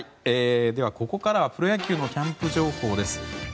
では、ここからはプロ野球のキャンプ情報です。